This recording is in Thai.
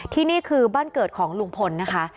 นี่คือบ้านเกิดของลุงพลนะคะ